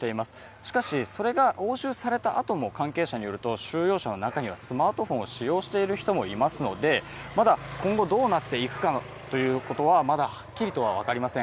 しかしそれが押収されたあとも関係者によると収容者の中にはスマートフォンを使用している人もいますのでまだ今後どうなっていくかということははっきりとは分かりません。